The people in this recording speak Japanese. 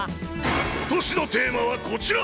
今年のテーマはこちら！